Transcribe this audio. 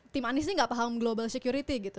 tim anies ini enggak paham global security gitu